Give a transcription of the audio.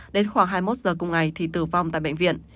đến khoảng hai mươi một giờ cùng ngày thì tử vong tại bệnh viện